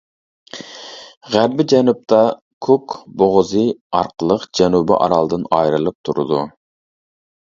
غەربىي جەنۇبتا كۇك بوغۇزى ئارقىلىق جەنۇبىي ئارالدىن ئايرىلىپ تۇرىدۇ.